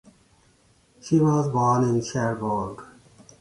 She was born in Cherbourg.